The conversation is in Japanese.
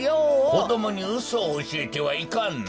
こどもにうそをおしえてはいかんな。